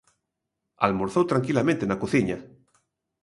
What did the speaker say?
Almorzou tranquilamente na cociña.